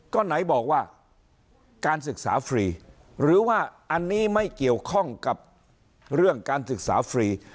ก็ไหนบอกว่าการศึกษาฟรีหรือว่าอันนี้ไม่เกี่ยวข้องกับเรื่องการศึกษาฟรี